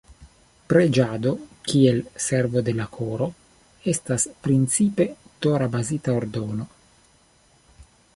Preĝado —kiel "servo de la koro"— estas principe Tora-bazita ordono.